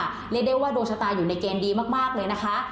เรียกได้ว่าดวงชะตาอยู่ในเกณฑ์ดีมากเลยนะคะ